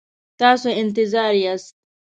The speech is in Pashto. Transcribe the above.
تاسو انتظار یاست؟